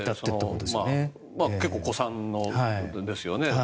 結構、古参のですよね。